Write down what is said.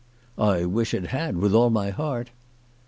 " I wish it had, with all my heart."